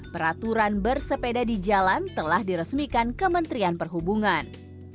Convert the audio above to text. peraturan bersepeda di jalan telah diresmikan ke menterian perhubungan